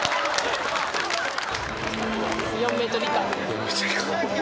４ｍ以下。